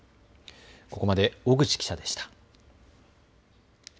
ここまで小口記者でした。